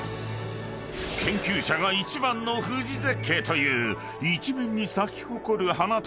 ［研究者が一番の富士絶景という一面に咲き誇る花との共演］